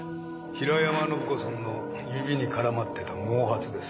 平山信子さんの指に絡まっていた毛髪です。